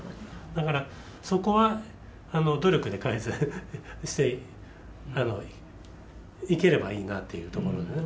だから、そこは努力で改善していければいいなっていうところでね。